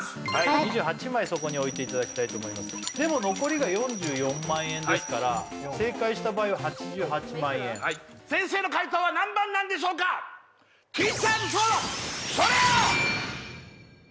２８枚そこに置いていただきたいと思いますでも残りが４４万円ですから正解した場合は８８万円先生の解答は何番なんでしょうかティーチャーズソードとりゃっ！